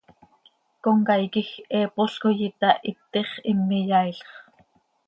Comcaii quij heepol coi itahitix, him iyaailx.